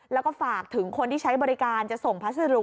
แล้วก็ฝากถึงคนที่ใช้บริการจะส่งพัสดุ